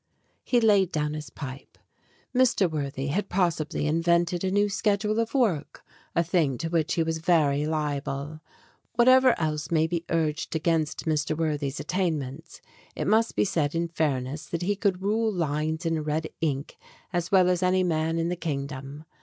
He laid down his pipe. Mr. Worthy had possibly invented a new schedule of work a thing to which he was very liable. Whatever else may be urged against Mr. Worthy's attainments, it must be said in fairness that he could rule lines in red ink as well as any man in the kingdom.